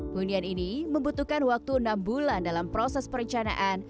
hunian ini membutuhkan waktu enam bulan dalam proses perencanaan